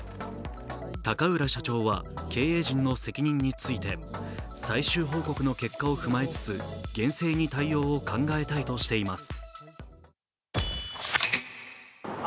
高浦社長は経営陣の責任について最終報告の結果を踏まえつつ厳正に対応を考えたいとしています。